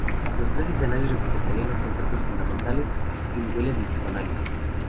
Los tres escenarios representarían los conceptos fundamentales y niveles del psicoanálisis.